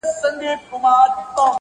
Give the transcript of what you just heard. دا چټکه تله پر لار زوی یې کرار وو -